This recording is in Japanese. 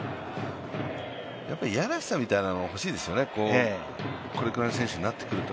やっぱり嫌らしさみたいなものは欲しいですよね、これくらいの選手になってくると。